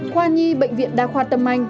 khoa nhi bệnh viện đa khoa tâm anh